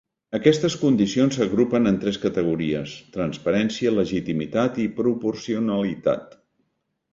Aquestes condicions s'agrupen en tres categories: transparència, legitimitat i proporcionalitat.